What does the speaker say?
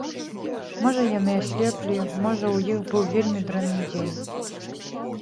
Можа, яны аслеплі, можа, у іх быў вельмі дрэнны дзень.